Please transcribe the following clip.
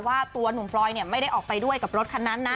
ว่าตัวหนุ่มปลอยเนี่ยไม่ได้ออกไปด้วยกับรถคันนั้นนะ